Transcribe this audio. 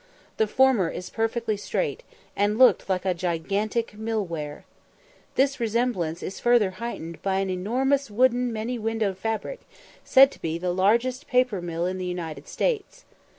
The former is perfectly straight, and looked like a gigantic mill weir. This resemblance is further heightened by an enormous wooden many windowed fabric, said to be the largest paper mill in the United States.